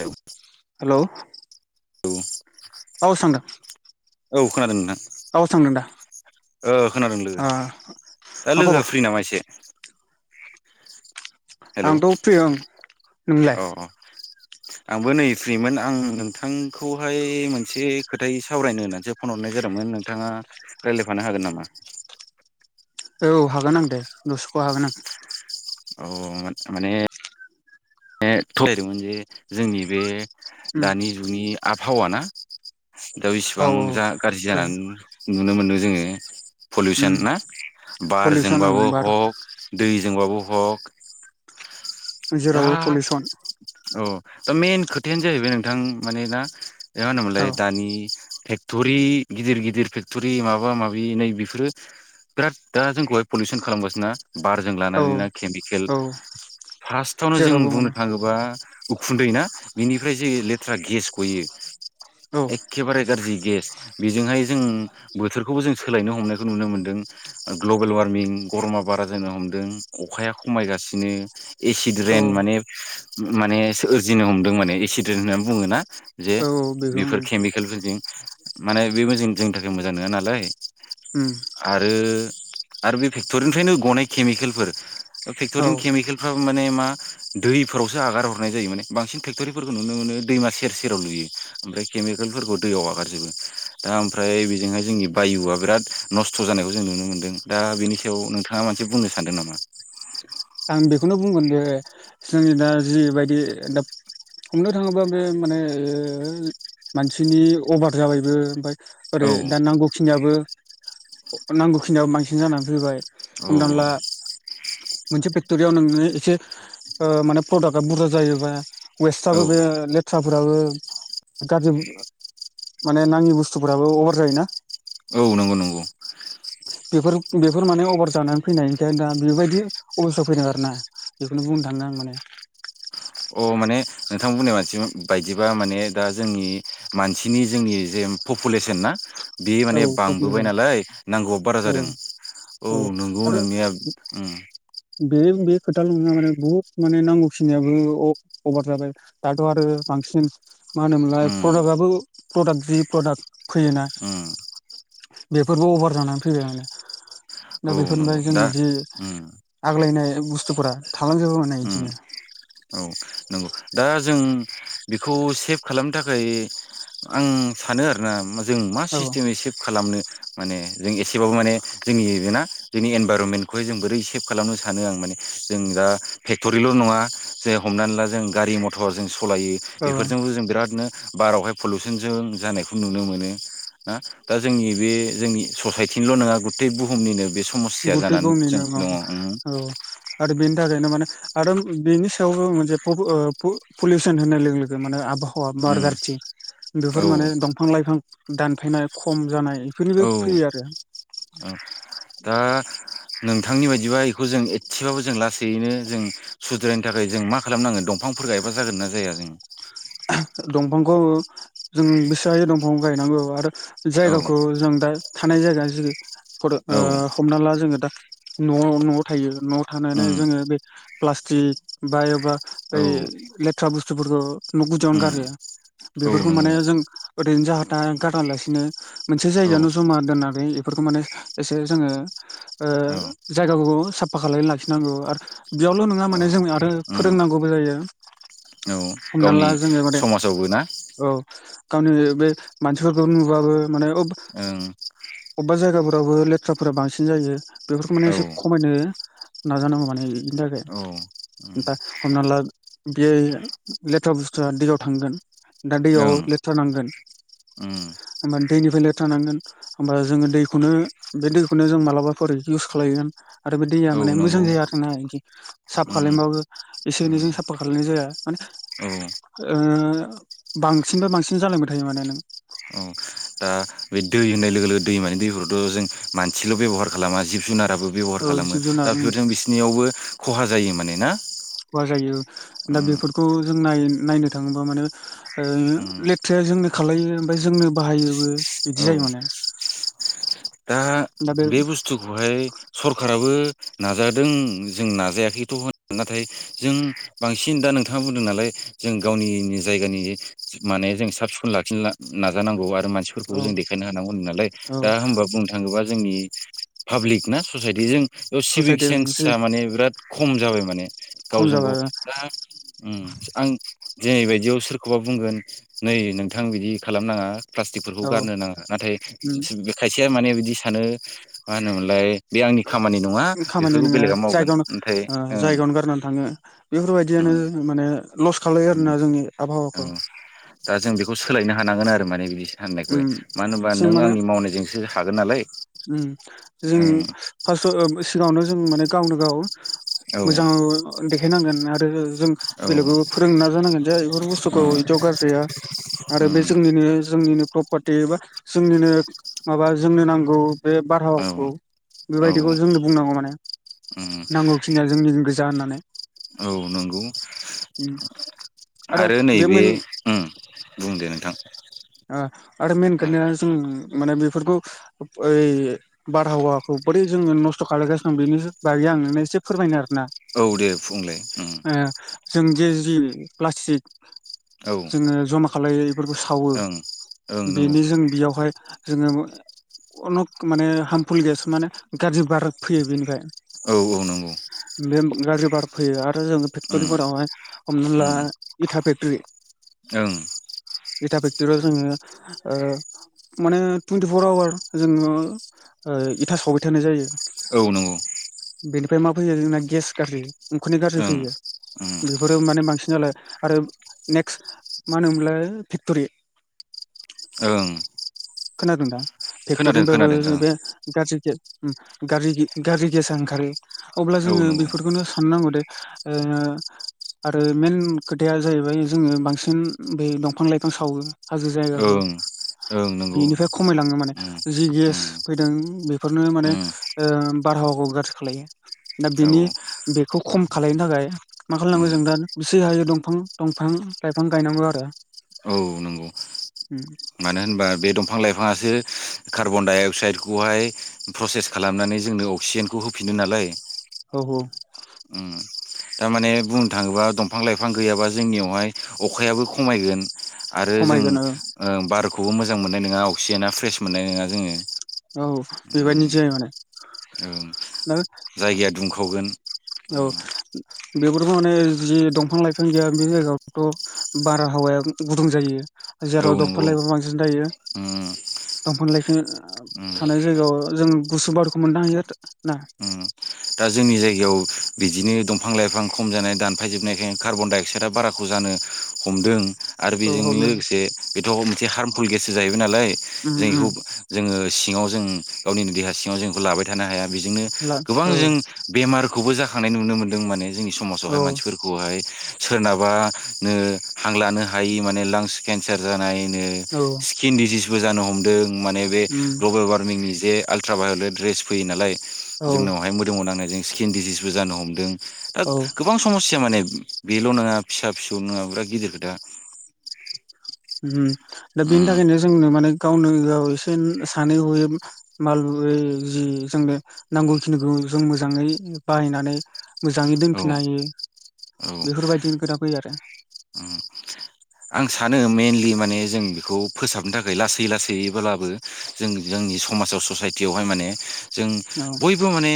औ औ औ औ सोंदों औ खोनादों नोंथां ओ खोनादों लोगो ओ दा मा लोगोआ खबर फ्रि नामा एसे हेलौ आंथ' फ्रि ओं नोंलाय अ आंबो नै फ्रिमोन आं नोंथांखौहाय मोनसे खोथाय सावरायनो होनासो फन हरनाय जादोंमोन नोंथाङा रालायफानो हागोन नामा औ हागोन आं दे दस'खौ हागोन आं औ मा-माने ने थुलायदोंमोन जे जोंनि बे उम दानि जुनि आबहावा ना दा औ बिसिबां जा गाज्रि ओ जानान नुनो मोनदों जोङो उम फलिउसन ना पलिउसन ओं बारजोंबाबो बार हक दैजोंबाबो बक जेरावबो पलिउसन औ दा मेन खोथायान जाहैबाय नोंथां माने ना जा होनो मोनलाय औ दानि थेक थ'रि गिदिर गिदिर फेक्थ'रि माबा माबि नै बेफोरो बिराद दा जोंखौहाय पलिउसन खालामगासिन ना? बारजों औ लानानै ना खेमिकेल औ फास्तआवनो जों जेरावबो मोनो बुंनो न'बा उखुन्दै ना बिनिफ्राय जे लेथ्रा गेस गयो औ एखे बारे गारजि गेस बेजोंहाय जों बोथोरखौबो जों सोलायनो हमनायखौ नुनो मोनदों ग्लबेल वार्मिं गर'मा बारा जानो हमदों अखाया खमायगासिनो एसिड औ औ रेन माने माने सोरजिनो हमदों माने एसिड रेन होना बुङो ना? जे औ बेखौ उम बेफोर खेमिकेलफोरजों माने बेबो जों-जोंनि थाखाय मोजां नोङा नालाय उम आरो आरो बे फेक्ट'रिनिफ्रायनो गनाय खेमिकेलफोर औ फेक्टरिनि खेमिकेलफ्राबो मा ने मा दैफोरावसो हागारहरनाय जायो माने बांसिन फेक्ट'रिफोरखौ नुनो मोनो दैमा सेर सेराव लुयो ओमफ्राय केमिकेलफोरखौ दैयाव हागारजोबो दा ओमफ्राय बेजोंहाय जोंनि बायुआ बिराद नस्थ' जानायखौ जों नुनो मोनदों दा बेनि सायाव नोंथांङा मोनसे बुंनो सानदों नामा? आं बेखौनो बुंगोन दे जोंनि दा जिबायदि दा हमनो थांङोबा बे माने ओ मानसिनि अभार जाबायबो ओमफाय ओरै औ दा नांगौखिनियाबो नांगौखिनियाबो बांसिन जानानै फैबाय औ से फेक्ट'रियाव नोंङो एसे ओ माने प्रडाकआ बुरजा जायोबा वेस्टाबो औ बे लेथ्रा बुराबो गाज्रि माने नांङि बुस्थुफोराबो अभार जायोना औ नंगौ नंगौ बेफोर बेफोर माने अभार जानानै फैनायखाय दा बेबायदि अबस्थायाव फैदों आरोना बेखौनो बुंनो थांदों आं माने अ माने नोंथां बुंनाय मानसिमोन बायदिबा माने दा जोंनि मानसिनि जोंनि जे पपुलेसोन ना बे औ माने बांबोबाय पपुलेसन नालाय नांगौआ बारा औ जादों औ नंगौ नोंनिया उम बे बे खोथालल' ना माने बुहुद माने नांगौ खिनियाबो अभार जाबाय दाथ' आरो बांसिन मा होनोमोनलाय उम प्रडाकआबो प्रडाक जि प्रडाक फैयोना। उम बेफोरबो अभार जानानै फैबाय माने औ दा नंगौ बेफोरनिफ्राय जों दा जि उम आग्लायनाय बुस्थुफोरा थालांजोबो माने उम इदिनो औ नंगौ दा जों बेखौ सेभ खालामनो थाखाय आं सानो आरोना जों मा औ सिस्टेमै सेभ खालामनो माने जों एसेबाबो माने जोंनि इबेना जोंनि एनभाइरनमेन्टखौहाय जों बोरै सेभ खालामनो सानो आं माने जों दा फेक्ट'रिल' नंङा जे हमनानै ला जों गारि मथर जों सु सलायो औ बेफोरजोंबो जों बिरादनो बारावहाय पलुउसन जों जानायखौ नुनो मोनो ना दा जोंनि बे जोंनि ससाइटिनिल' नंङा गुथे बुहुमनिनो बे समस्या गुथै जानानै जों बुहुमनिनो दङ उम अ औ आरो बेनो थाखायनो माने आरो बेनि सायावबो मोनसे पु पु पुलिउसन होनाय लोगो लोगो माने आबहावा हावा बार उम गारथि औ बेफोर माने दंफां लाइफां दान फायनाय खम जानाय बेफोरनिबो औ फैयो आरो [inaudible] दा नोंथांनि बायदिबा इखौ जों एसेबाबो जों लासैनो जों सुद्रायनो थाखाय जों मा खालामनांगोन दंफांफोर गायबा जागोन ना जाया जों दंफांखौ जों बिसे हायो दंफां गायनांगौ आरो औ जायगाखौ जों दा थानाय जायगा जेरै फोर ओ औ हमना ला जोंङो दा न'आव न'आव थायो न'आव थानानै उम जोंङो बे प्लास्टिक बा एबा औ थ्रा बुस्थुफोरख न' उम गुदियावनो गारो औ बेफोरखौ माने नंगौ जों ओरैनो जाहा था गारालासिनो मोनसे औ जायगायावानो जमा दोननानै एफोरखो माने एसे जोंङो ओ औ जायगा खौ साफा खालायना लाखिनांगौ आरो बेयावल' नंङा औ माने जों आरो उम फोरोंनांगौबो जायो। औ हमना गावनि ला जोंङो माने समाजावबो ना औ गावनि बे मानसिफोरखौ नुबाबो माने अब ओं अबेबा जायगाफोरावबो लेथ्राफोरा बांसिन जायो बेफोरखो माने औ एसे खमायनो नाजानांगौ माने इनि थाखाय औ उम दा हमना ला बे लेथ्रा बुस्थुया दैयाव थांगोन दा दैयाव ओं लेथ्रा नांगोन उम होमबा दैनिफ्राय लेथ्रा नांगोन होमबा जोंङो दैखौनो बे दैखौनो जों मालाबाफोर इउस खालायगोन आरो बे दैया औ माने मोजां नंगौ जाया आरो ना इदि साफा उम खालायमबाबो इसे उम एनैजों साफा खालायनाय जाया माने औ ओ बांसिनबा बांसिन जालांबाय थायो माने नों औ दा बे दै होननाय लोगो लोगो दै मानि दैफोरखौथ जों मानसिल' बेबहार खालामा जिब जुनाराब बो बेबहार औ खालामो जिब दा जुनार बिफोरजों बिसिनियावबो खहा जायो माने ना खहा जायो दा उम बेफोरखौ जों नायो नायनो थांङोबा माने ओ उम लेथ्राया जोंनो खालायो ओमफाय जोंनो बाहायोबो औ बिदि जायो माने दा बे बुस्थुखौहाय सरखाराबो नाजादों जों नाजायाखैथ' होन नाथाय जों बांसिन दा नोंथाङा बुंदों नालाय जों गावनिनि जायगानि माने जों साब सिखोन लाखिन नाजानांगौ आर दा मानसिफोरखौबो औ देखायनो हानांगौ होनदो नालाय औ दा होमबाब बा जोंनि पाब्लिक ना ससाइटिजों इयाव सिभिक ससाइटि मोनसे सेन्सा माने बिराद खम जाबाय माने खम गावजों गाव जाबाय दा उम आं दिनैबायदियाव सोरखौबा बुंगोन नै नोंथां बिदि खालामनाङा प्लास्टिकफोरखौ औ गारनो नाङा नाथाय खाय नै बिदि सानो मा होनोमोनलाय बे आंनि खामानि नङा ओं खामानि बेफोरखौ नङा बेलेगा मावगोन जायगायाव ओमफ्राय ओ ओं जायगायावनो गारनानै थाङो बेफोरबायदियानो उम माने लस खालायो आरोना जोंनि आबहावाखौ ओं दा जों बेखौ सोलायनो हानांगोन आरो माने बिदि साननायखौ उम मानो होनबा जों नों माने आंनि मावनायजों सो हागोन नालाय। उम जों उम फास्टआव ओ सिगाङावनो जों माने गावनो गाव औ मोजां अ देखायनांगोन आ [unintelligible] जों औ बेलेगाव फोरों नाजानांगोन जे बेफोर बुस्थुखौ उम इदियाव गारजाया आरो बे उम जोंनिनो जोंनिनो प्रपारटि एबा जोंनिनो माबा जोंनो नांगौ बे औ बारहावाखौ औ बेबायदिखौ जोंनो बुंनांगौ मान उम नांगौखिनिया जोंनिनो गोजा होननानै। औ नंगौ। उम। आरो बे नैबे मेन उम बुंदो नोंथां। ओ। आरो मेन खोनथाया जों माने बेफोरखौ ओइ बारहावाखौ बोरै जोङो नस्थ' खालायगासिनो दं बेनि बागै आं एसे फोरमायनो आरो औ दे बुंलाय उम। जों जे जि प्लास्टिक औ जोङो ज'मा खालायो बेफोरखौ सावो ओं ओं नंगौ बेनो जों बेयावहाय जोङो अनेक माने हार्मफुल गेस माने गाज्रि बार फैयो बेनिफ्राय। औ औ नंगौ।। बे गाज्रि बार फैयो आरो जों उम फेक्ट'रिफोरावहाय हमना ला उम इथा फेक्टरि ओं औ [inaudible] इथ आव जोङो माने टुन्टिफर आवार जोङो ओ इथा सावबाय थानाय जायो। औ नंगौ। बेनिफ्राय मा फैयो जोंना गेस गाज्रि उखुन्दै गाज्रि ओं फैयो उम बेफोरो माने बांसिन नालाय आरो नेक्स्ट मा होनोमलाय फेक्ट'रि ओं खोनादोंदा? खोनादों फेक्ट'रिनिफायबो खोनादों ओं बे गाज्रि गेस गारजि गारि गेसा ओंखारो। अब्ला औ जोङो नंगौ बेफोरखौनो साननांगौ दे आरो मेइेन खोथाया जाहैबाय जोङो बांसिन बे दंफां लाइफां सावो हाजो जायगाखौ ओं ओं नंगौ बेनिफ्राय खमायलाङो माने उम जि गेस उम फैदों बेफोरनो माने उम बारहावाखौ गाज्रि खालायो दा औ बेनि बेखौ खम खालनो थाखाय मा उम खालामनांगो जों दा बिसे हायो दंफां दंफां लाइफां गायनांगौ आरो औ नंगौ उम। मानो होनबा बे दंफां लाइफाङासो कार्बन दडाइ अक्साइदखौहाय प्रसेस खालामनानै जोंनो अक्सिजेनखौ होफिनो नालाय औ औ उम थारमाने बुंनो थाङोबा दंफां लाइफां गैयाबा जोंनियावहाय अखायाबो खमायगोन आरो जों ओ खमायगोन औ बार खौखौबो मोजां मोननाय नङा अक्सिजना फ्रेस मोननाय नङा जोङो। औ बेबायदिनो ओम जायो माने [unintelligible] गोन औ बेबोथ' माने जि दंफां लाइफां गैया बे जायगायावथ' बारहावाया गुदुं जायो। औ जेराव दंफफोरां नंगौ लायबो बांसि ओम दंफां लाइफां ओम थानाय जायगायाव जों गुसु बारुखौ मोननो हायो ना? उम दा जोंनि जायगायाव बिदिनो दंफां लाइफां खम जानाय दानफायजोबनायखाय कार्बन दडाइ अक्साइदआ बाराखौ जानो हमदों। आरो औ बेजों हमनो लोगोसे बेथ' मोनसे हार्मफुल गेथेर सो जाहैबाय नालाय उम जों उम एखौ जोङो सिङाव जों गावनिनो देहा सिङाव जों बेखौ लाबाय थानो हाया। बेजोंनो ला गोबां औ जों बे बेमारखौबो जाखांनाय नुनो मोनो जों माने जोंनि समाजावहाय औ मानसिफोरखौहाय सोरनाबा नो हांलानो हायि माने लांस केन्सार जानाय। ओ औ स्किन डिजिस बो जानो हमदों माने बे उम ग्लबेल वार्मिंनि जे आलट्रा भायलेट ड्रेस फैयो नालाय औ जोंनावहाय मोदोमाव नांनायजों स्किन डिसिसबो जानो हमदों ओक औ गोबां समस्या माने बेल' नोङा फिसा फिसौ नोङाब्ला गिदिर खोथा ओम दा बेनि उम थाखायनो जोंनो माने गावनो गाव एसे सानै हयै मालै जि जोंनो नांगौखिनिखौ जों मोजाङै बाहायनानै मोजाङै औ दोनफिननो हायो औ बेफोरबायदि खोथा फैयो आरो। उम आं सानो मेनलि माने जों बेखौ फोसाबनो थाखाय लासै लासैयैब्लाबो जों जोंनि समाजाव ससायटियावहाय माने जों औ बयबो माने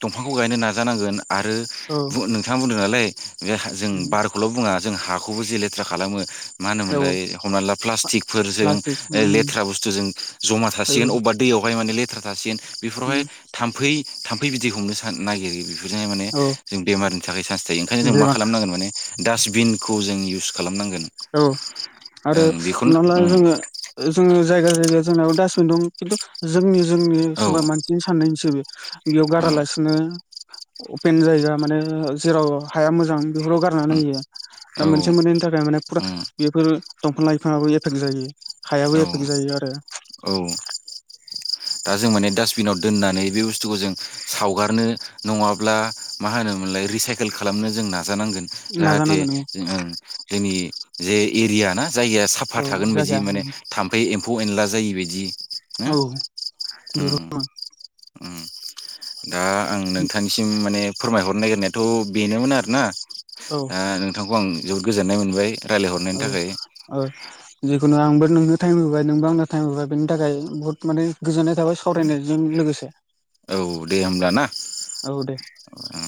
दंफांखौ गायनो नाजानांगोन आरो औ बु नोंथाङा बुंदों ओलाय बे जों उम बारखौल' बुङा जों हाखौबो जे लेथ्रा खालामो मा औ होनोमोनलाय हमना ला प्लास्टिकफोरजों ओ प्लास्टिक उम लेथ्रा बुस्थुजों जमा औ थासिगोन अबबा दैयावहाय माने ले दासि [unintelligible] बेफोरावहाय उम थाम्फै थाम फै बिदि हमनो नागिरो बे बिजोंहाय माने औ जों बेमार थाखाय सान जायो ओंखायनो जों बे मा खालामनांगोन माने डास्टबिनखौ खौ जों इउस खालामनांगोन। औ आरो ओं बेखौनो हमना ला उम जोङो जोंङो जायगा जायगा जोंनाव दास दं खिन्थु जोंनि। जोंनि औ सोरबा मानसिनि साननायनिसो बे बेयाव औ गारालासिनो। अपेन जायगा माने जेराव हाया मोजां बेफोराव गारनानै उम होयो औ दा मोनसे मोननैनि थाखाय माने। फुरा बेफोर दंफां लाइफाङाबो एफेक्ट जायो उम औ हायाबो एफेक्ट जायो आरो। औ दा जों माने डासटबिनाव दोननानै बे बुस्थुखौ जों सावगारनो नङाब्ला मा होनोमोनलाय रिसाइकोल खालामनो जोंना। नाजानांगोन जाहाथे नाजानांगोन नोङो जों। जोंनि जे एरिया ना। जायगाया साफा औ थागोन बायदि जायगाया माने थामफै एम एमफौ एनला जायिबायदि। औ। [unintelligible] उम दा आं नोंथांनिसिम माने फोरमायहरनो नागिरनाय थ' बेनोमोन आरोना। औ ओ नोंथांखौ आं। जोबोद गोजोननाय मोनबाय रायलायहरनायनि औ थाखाय औ जिखुनु आंबो नोंनो टाइम होबाय नोंबो आंनो टाइम होबाय बेनि थाखाय बहुत माने गोजोननाय थाबाय सावरायनायजों लोगोसे औ दे होमब्ला ना औ दे उम